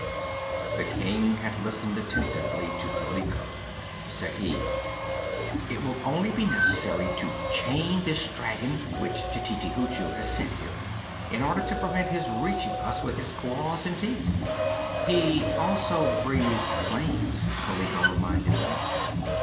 The King had listened attentively to Kaliko. Said he: "It will only be necessary to chain this dragon which Tititi Hoochoo has sent here, in order to prevent his reaching us with his claws and teeth." "He also breathes flames," Kaliko reminded him.